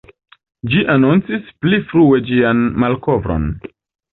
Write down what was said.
Li anoncis pli frue ĝian malkovron.